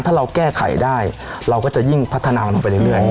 ถ้าเราแก้ไขได้เราก็จะยิ่งพัฒนามันลงไปเรื่อย